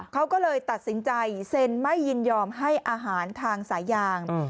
เขาก็เลยตัดสินใจเซ็นไม่ยินยอมให้อาหารทางสายยาง